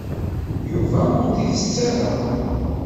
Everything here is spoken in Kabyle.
Yuba ur t-isett ara.